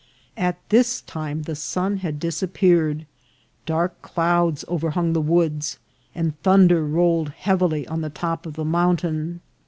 At this time the sun had disappeared ; dark clouds overhung the woods, and thunder rolled* heavily on the top of the mountain.